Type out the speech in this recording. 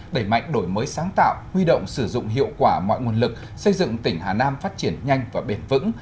đẩy mạnh đổi mới sáng tạo huy động sử dụng hiệu quả mọi nguồn lực xây dựng tỉnh hà nam phát triển nhanh và bền vững